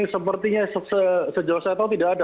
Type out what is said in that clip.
sepertinya sejauh saya tahu tidak ada